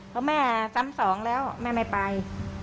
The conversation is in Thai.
เพราะแม่ซ้ำสองแล้วแม่ไม่ไป